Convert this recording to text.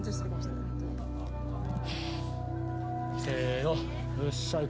・せの。